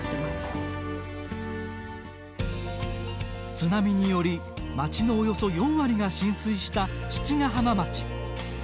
津波により町のおよそ４割が浸水した七ヶ浜町。